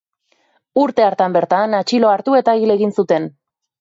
Urte hartan bertan atxilo hartu eta hil egin zuten.